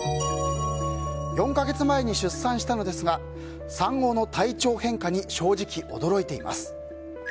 ４か月前に出産したのですが産後の体調変化に正直、驚いています。